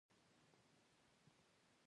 احمد په تجارت کې زموږ جرړې را و ایستلې.